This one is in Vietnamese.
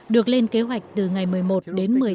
được lên kế hoạch từ ngày một mươi một đến